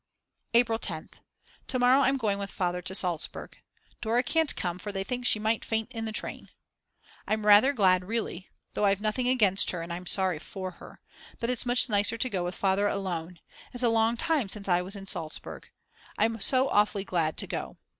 April 10th. To morrow I'm going with Father to Salzburg. Dora can't come, for they think she might faint in the train. I'm rather glad really, though I've nothing against her and I'm sorry for her, but it's much nicer to go with Father alone. It's a long time since I was in Salzburg. I'm so awfully glad to go.